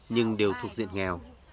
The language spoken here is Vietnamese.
nhưng đều thuộc diện nghèo